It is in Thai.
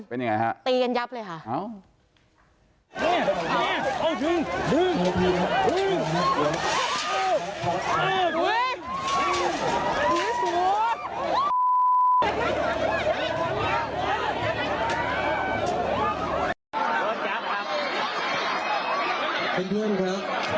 เป็นยังไงฮะ